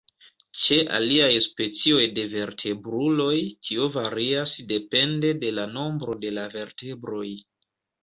Ĉe aliaj specioj de vertebruloj tio varias depende de la nombro de la vertebroj.